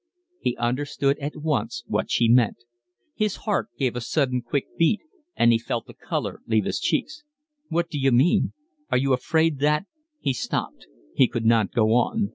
He understood at once what she meant. His heart gave a sudden, quick beat, and he felt the colour leave his cheeks. "What d'you mean? Are you afraid that… ?" He stopped. He could not go on.